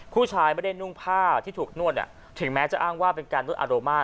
ผู้ชายไม่ได้นุ่งผ้าที่ถูกนวดถึงแม้จะอ้างว่าเป็นการนวดอารม่า